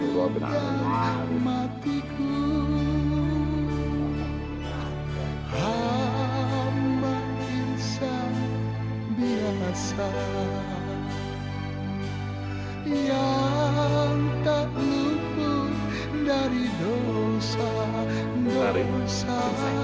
hiwab nama matiku hama insan biasa yang tak lupu dari dosa dosa